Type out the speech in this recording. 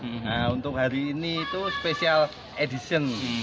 nah untuk hari ini itu special edition